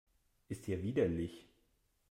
Ist ja widerlich!